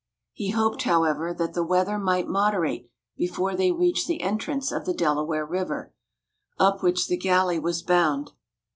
He hoped, however, that the weather might moderate before they reached the entrance of the Delaware river, up which the galley was bound.